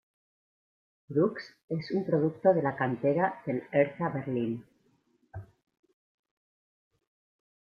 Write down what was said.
Brooks es un producto de la cantera del Hertha Berlín.